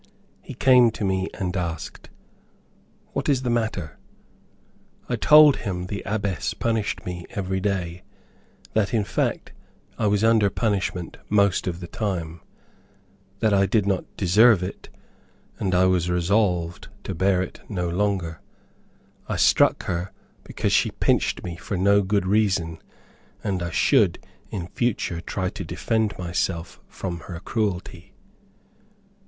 He came to me and asked, "What is the matter?" I told him the Abbess punished me every day, that in fact I was under punishment most of the time; that I did not deserve it, and I was resolved to bear it no longer. I struck her because she pinched me for no good reason; and I should in future try to defend myself from her cruelty.